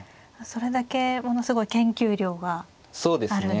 それだけものすごい研究量があるんですよね。